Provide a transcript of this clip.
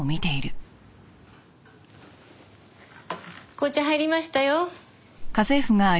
紅茶入りましたよ。